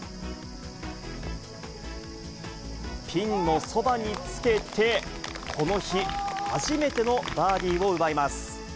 ピンのそばにつけて、この日、初めてのバーディーを奪います。